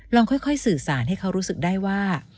ค่อยสื่อสารให้เขารู้สึกได้ว่า